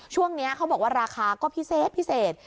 ช่วงนี้เขาบอกว่าราคาก็พิเศษพิเศษ